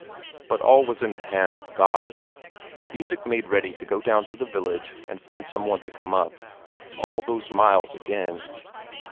But all was in the hand of God. Isak made ready to go down to the village and find some one to come up. All those miles again!